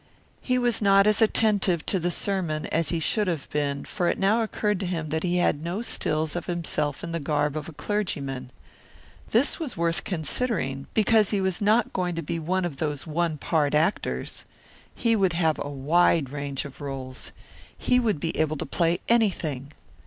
He was not as attentive to the sermon as he should have been, for it now occurred to him that he had no stills of himself in the garb of a clergyman. This was worth considering, because he was not going to be one of those one part actors. He would have a wide range of roles. He would be able to play anything.